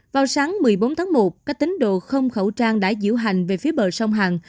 vào sáng một mươi bốn tháng một các tính đồ không khẩu trang đã diễu hành về phía bờ sông hàn